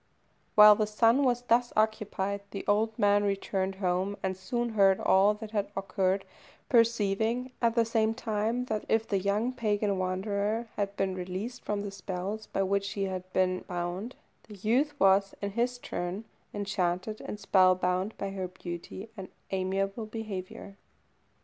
While the son was thus occupied, the old man returned home, and soon heard all that had occurred, perceiving, at the same time, that if the young pagan wanderer had been released from the spells by which she had been bound, the youth was, in his turn, enchanted and spellbound by her beauty and amiable behaviour.